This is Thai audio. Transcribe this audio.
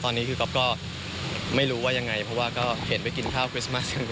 ตอนนี้ก็ไม่รู้ยังไงเพราะก็เข็นไปกินท่าวคริสต์มาสกันน่ะ